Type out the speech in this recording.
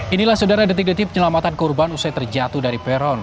inilah saudara detik detik penyelamatan korban usai terjatuh dari peron